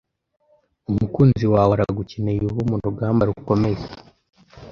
Umukunzi wawe aragukeneye ubu murugamba rukomeye